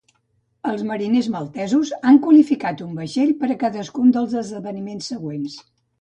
Els mariners maltesos han qualificat un vaixell per a cadascun dels esdeveniments següents.